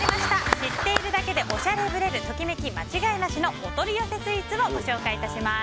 知っているだけでおしゃれぶれるときめき間違いなしのお取り寄せスイーツをご紹介致します。